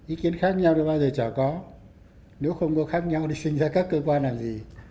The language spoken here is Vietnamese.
ý kiến khác nhau thì bao giờ chả có nếu không có khác nhau thì sinh ra các cơ quan làm gì